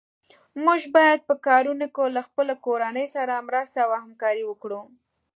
موږ باید په کارونو کې له خپلې کورنۍ سره مرسته او همکاري وکړو.